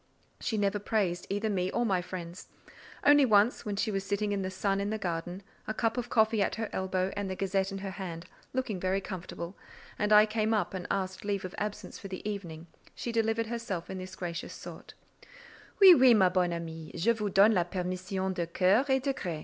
She never praised either me or my friends; only once when she was sitting in the sun in the garden, a cup of coffee at her elbow and the Gazette in her hand, looking very comfortable, and I came up and asked leave of absence for the evening, she delivered herself in this gracious sort:— "Oui, oui, ma bonne amie: je vous donne la permission de coeur et de gré.